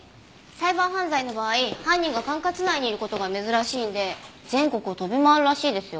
サイバー犯罪の場合犯人が管轄内にいる事が珍しいんで全国を飛び回るらしいですよ。